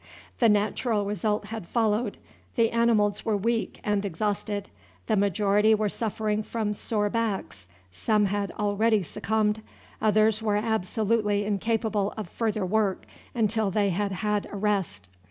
The natural result had followed: the animals were weak and exhausted, the majority were suffering from sore backs, some had already succumbed, others were absolutely incapable of further work until they had had a rest.